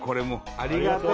ありがとう！